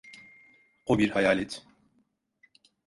O bir hayalet.